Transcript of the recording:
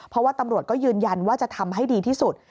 เพราะว่าตำรวจก็ยืนยันว่าจะทำให้ดีที่สุด